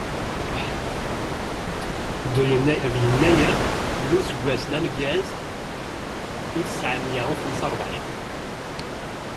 De yennayer n useggas n ameggaz u tesεemya u xemsa u rebεin.